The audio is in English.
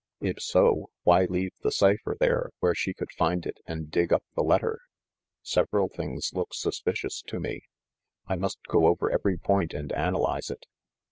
If so, why leave the cipher there where she could find it and dig up the letter? Several things look suspicious to me. I must go over every point and analyze it.